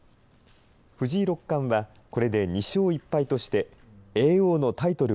藤井六冠はこれで２勝１敗として叡王のタイトル